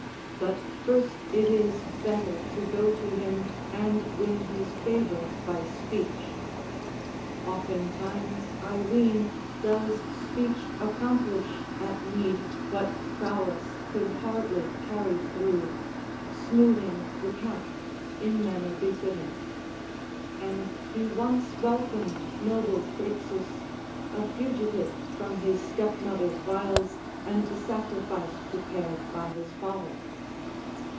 But first it is better to go to him and win his favour by speech. Oftentimes, I ween, does speech accomplish at need what prowess could hardly catty through, smoothing the path in manner befitting. And he once welcomed noble Phrixus, a fugitive from his stepmother's wiles and the sacrifice prepared by his father.